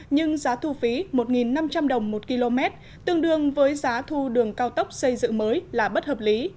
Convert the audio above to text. nhưng giá thu phí một năm trăm linh đồng một km tương đương với giá thu đường cao tốc xây dựng mới là bất hợp lý